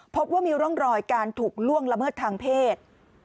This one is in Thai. พบว่ามีร่องรอยการถูกล่วงละเมิดทางเพศ